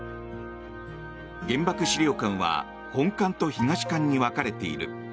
原爆資料館は本館と東館に分かれている。